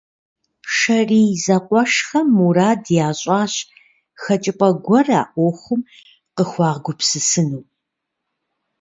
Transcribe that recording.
Шэрий зэкъуэшхэм мурад ящӏащ хэкӏыпӏэ гуэр а ӏуэхум къыхуагупсысыну.